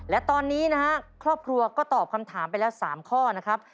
และตอนนี้นะฮะครอบครัวก็ตอบคำถามไปแล้ว๓ข้อนะครับ